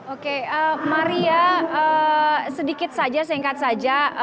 oke maria sedikit saja singkat saja